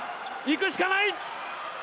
行くしかない！